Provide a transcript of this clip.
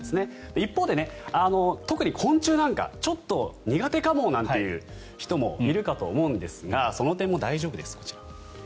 一方で、特に昆虫なんかはちょっと苦手かもという人もいるかと思うんですがその点も大丈夫です。